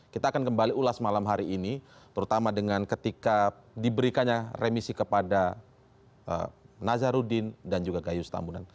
kita akan kembali ulas malam hari ini terutama dengan ketika diberikannya remisi kepada nazarudin dan juga gayus tambunan